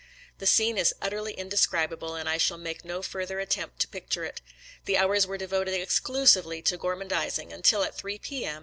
*♦• The scene is utterly indescribable, and I shall make no further attempt to picture it. The hours were devoted exclusively to gormandizing until, at 3 P. M.